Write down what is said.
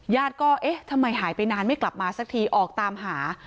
ก็เอ๊ะทำไมหายไปนานไม่กลับมาสักทีออกตามหา